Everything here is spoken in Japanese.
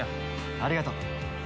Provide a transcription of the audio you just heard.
ありがとう！